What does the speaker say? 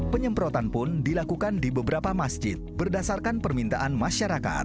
penyemprotan pun dilakukan di beberapa masjid berdasarkan permintaan masyarakat